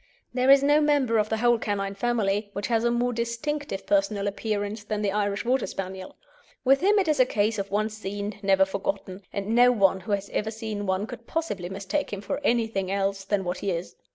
There is no member of the whole canine family which has a more distinctive personal appearance than the Irish Water Spaniel. With him it is a case of once seen never forgotten, and no one who has ever seen one could possibly mistake him for anything else than what he is.